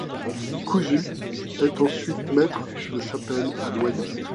Cousu est ensuite maître de chapelle à Noyon.